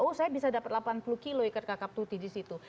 oh saya bisa dapat delapan puluh kg ikan kakap putih di situ